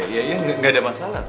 ya gak ada masalah